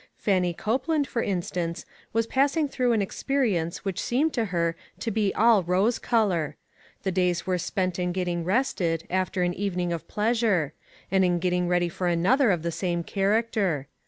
Fannie. Copeland, for instance, was passing through an experience which seemed to her to be all rose color. The days were spent in getting rested, after an evening of pleasure ; and in getting ready for another of the same character.